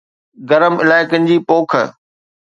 گرم علائقن جي پوک